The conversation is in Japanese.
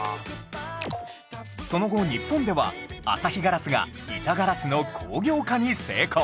その後日本では旭硝子が板ガラスの工業化に成功